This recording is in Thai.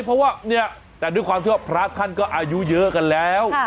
เพราะว่าเนี่ยแต่ด้วยความที่ว่าพระท่านก็อายุเยอะกันแล้ว